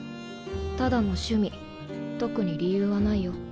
ただの趣味特に理由はないよ。